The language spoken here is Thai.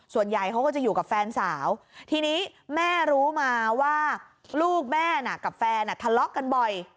ส่วนใหญ่เขาก็จะอยู่กับแฟนสาวทีนี้แม่รู้มาว่าลูกแม่น่ะกับแฟนทะเลาะกันบ่อย